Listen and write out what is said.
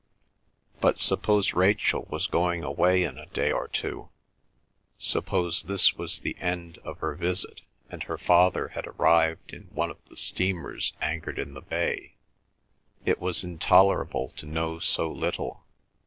But suppose Rachel was going away in a day or two, suppose this was the end of her visit, and her father had arrived in one of the steamers anchored in the bay,—it was intolerable to know so little.